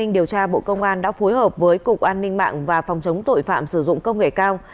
điều tra bộ công an đã phối hợp với cục an ninh mạng và phòng chống tội phạm sử dụng công nghệ cao